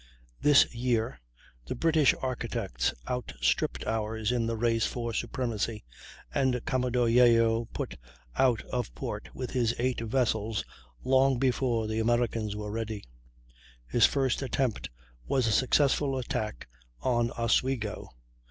This year the British architects outstripped ours in the race for supremacy, and Commodore Yeo put out of port with his eight vessels long before the Americans were ready. His first attempt was a successful attack on Oswego.